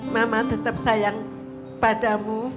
mama tetap sayang padamu